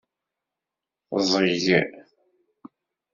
Ẓẓeg.